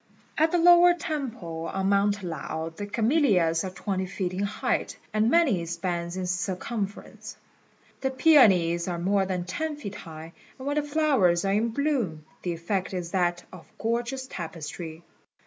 At the lower temple on Mount Lao the camellias are twenty feet in height, and many spans in circumference. The peonies are more than ten feet high; and when the flowers are in bloom the effect is that of gorgeous tapestry.